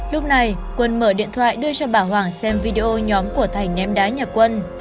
lúc này quân mở điện thoại đưa cho bà hoàng xem video nhóm của thành ném đá nhà quân